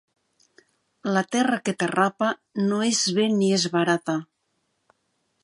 La terra que té rapa, ni es ven ni es barata.